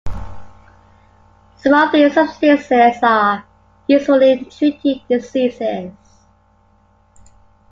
Some of these substances are useful in treating diseases.